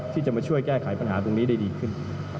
ที่จะมาช่วยแก้ไขปัญหาตรงนี้ได้ดีขึ้น